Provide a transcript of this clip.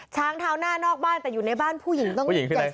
ช้างเท้าหน้านอกบ้านแต่อยู่ในบ้านผู้หญิงต้อง๗๐